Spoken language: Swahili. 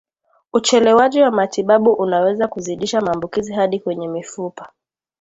Uchelewaji wa matibabu unaweza kuzidisha maambukizi hadi kwenye mifupa